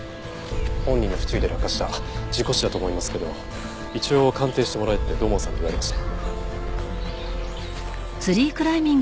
本人の不注意で落下した事故死だと思いますけど一応鑑定してもらえって土門さんに言われまして。